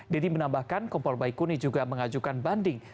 deddy menambahkan kompol baikuni juga mengajukan banding